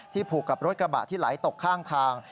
ที่ผูกกับรถกระบะที่ไหลตกข้าง